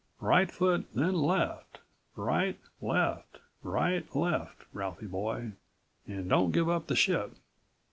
Right foot, then left, right left, right left, Ralphie boy, and don't give up the ship.